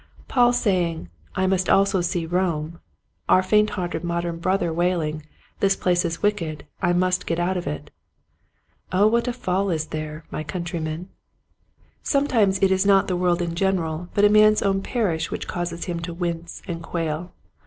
Paul saying, " I must also see Rome :" our faint hearted modern brother wailing, " This place is wicked, I must get out of it "— O what a fall is there, my countrymen ! Sometimes it is not the world in general but a man's own parish which causes him to wince and quail.